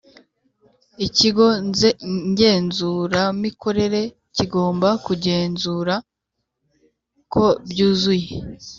Ikigo ngenzuramikorere kigomba kungenzura ko byuzuye